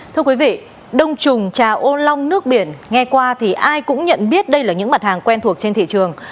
thưa quý vị đông trùng trà ô long nước biển nghe qua thì ai cũng nhận biết đây là những mặt hàng quen thuộc trên thị trường